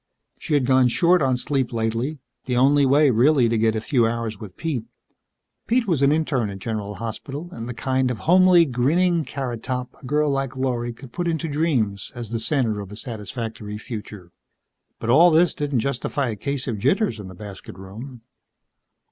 She'd gone short on sleep lately the only way, really, to get a few hours with Pete. Pete was an interne at General Hospital, and the kind of a homely grinning carrot top a girl like Lorry could put into dreams as the center of a satisfactory future. But all this didn't justify a case of jitters in the "basket room."